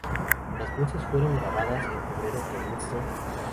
Las voces fueron grabadas en febrero por Mr.